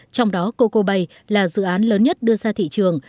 trong đó coco bay là dự án lớn nhất đưa ra thị trường